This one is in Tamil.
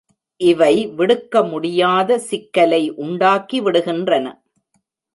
இவை விடுக்க முடியாத சிக்கலை உண்டாக்கி விடுகின்றன.